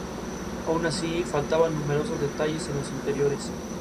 La administración se llevó a cabo con un Consejo Legislativo.